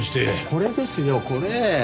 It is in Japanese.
これですよこれ！